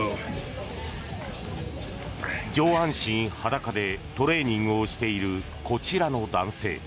上半身裸でトレーニングをしているこちらの男性。